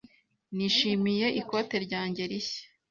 Nishimiye ikoti ryanjye rishya.